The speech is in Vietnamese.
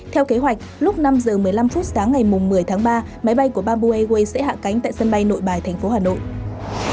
theo kế hoạch lúc năm giờ một mươi năm phút sáng ngày một mươi tháng ba máy bay của bamboo airways sẽ hạ cánh tại sân bay nội bài thành phố hà nội